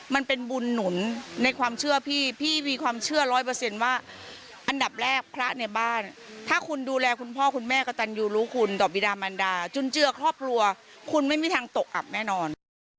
มันเป็นบุญหนุนในความเชื่อพี่พี่มีความเชื่อร้อยเปอร์เซ็นต์ว่าอันดับแรกพระในบ้านถ้าคุณดูแลคุณพ่อคุณแม่กระตันยูรู้คุณต่อบิดามันดาจุนเจือครอบครัวคุณไม่มีทางตกอับแน่นอน